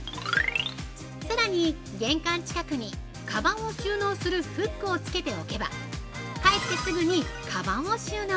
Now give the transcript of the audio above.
さらに玄関近くにかばんを収納するフックを付けておけば帰ってすぐにかばんを収納！